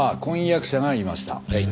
はい。